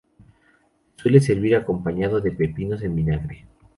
Se suele servir acompañado de pepinos en vinagre.